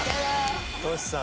トシさん！